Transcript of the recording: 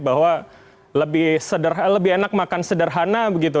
bahwa lebih enak makan sederhana begitu